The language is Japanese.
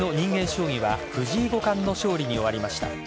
将棋は藤井五冠の勝利に終わりました。